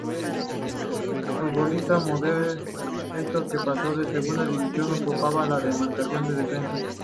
Futbolista modesto que no pasó de la Segunda División, ocupaba la demarcación de defensa.